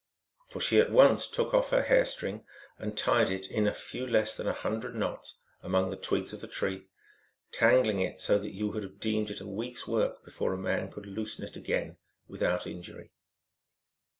For she at once took off her hair string 1 and tied it into a few less than a hundred knots among the twigs of the trees, tangling it so that you would have deemed it a week s work before a man could loosen it again without injury.